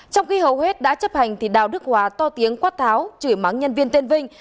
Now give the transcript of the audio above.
trong khi hầu hết đã chấp hành thì đào đức hòa to tiếng quát tháo chửi mắng nhân viên tên vinh